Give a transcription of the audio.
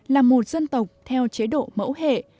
là một dân tộc theo chế độ mẫu hệ